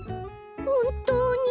ほんとうに？